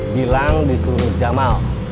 bilang di suruh dik jamal